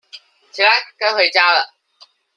起來，該回家了